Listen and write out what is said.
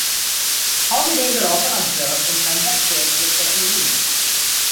Holidays are often observed in conjecture with certain meals.